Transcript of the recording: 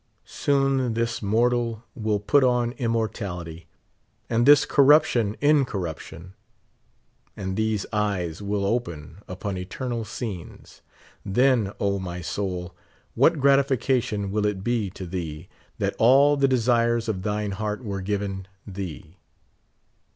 Soon this mortal will put on immortality, and this corruption incorruption, and these eyes will open upon eternal scenes ; then, O, my soul, wl: at gratification will it be to thee that all the desires of thine heart were given thee.